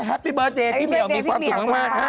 พี่เบิร์ดเดย์พี่เหมียวมีความสุขมากฮะ